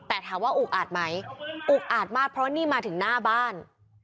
แต่ถามว่าอุกอาจไหมอุกอาจมากเพราะนี่มาถึงหน้าบ้าน